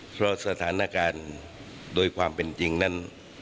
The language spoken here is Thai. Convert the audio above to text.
เพราะสถานการณ์โดยความเป็นจริงนั้น